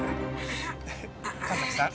神崎さん